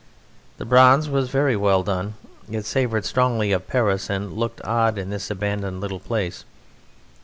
The bronze was very well done; it savoured strongly of Paris and looked odd in this abandoned little place.